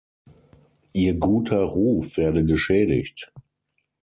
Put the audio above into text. Ihr guter Ruf werde geschädigt.